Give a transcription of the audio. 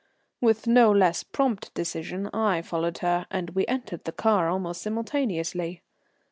With no less prompt decision I followed her, and we entered the car almost simultaneously.